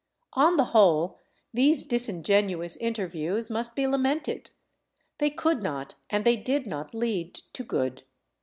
On the whole, these disingenuous interviews must be lamented; they could not and they did not lead to good.